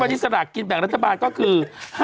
วันนี้สลากกินแบ่งรัฐบาลก็คือ